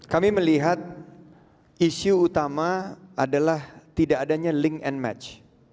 kami melihat isu utama adalah tidak adanya link and match